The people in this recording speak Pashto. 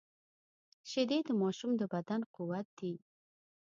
شیدې د ماشوم د بدن قوت دي